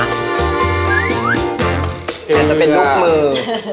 อาจจะเป็นลูกมือ